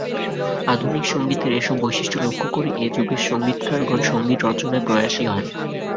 আধুনিক সঙ্গীতের এসব বৈশিষ্ট্য লক্ষ্য করেই এ যুগের সঙ্গীতকারগণ সঙ্গীত রচনায় প্রয়াসী হন।